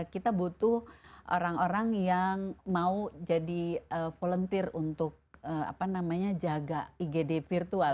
kita butuh orang orang yang mau jadi volunteer untuk jaga igd virtual